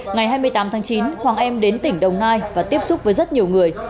ngày hai mươi tám tháng chín hoàng em đến tỉnh đồng nai và tiếp xúc với rất nhiều người